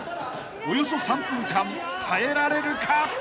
［およそ３分間耐えられるか］